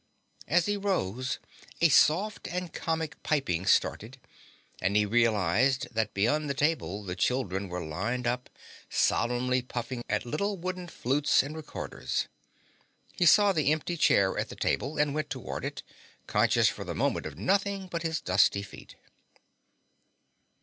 As he rose, a soft and comic piping started and he realized that beyond the table the children were lined up, solemnly puffing at little wooden flutes and recorders. He saw the empty chair at the table and went toward it, conscious for the moment of nothing but his dusty feet.